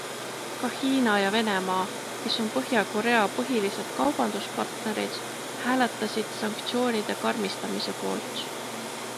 Ka Hiina ja ja Venemaa, kes on Põhja-Korea põhilised kaubanduspartnerid, hääletasid sanktsioonide karmistamise poolt.